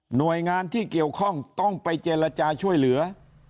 หน่วยงานที่เกี่ยวข้องต้องไปเจรจาช่วยเหลือ